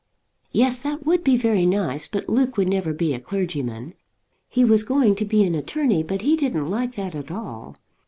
"Yes; that would be very nice; but Luke would never be a clergyman. He was going to be an attorney, but he didn't like that at all.